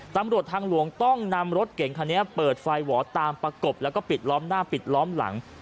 ตำรวจทางหลวงต้องนำรถเก่งคันนี้เปิดไฟหวอตามประกบแล้วก็ปิดล้อมหน้าปิดล้อมหลัง